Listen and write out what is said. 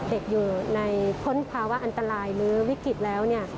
เด็กอยู่ในพ้นภาวะอันตรายหรือวิกฤตแล้ว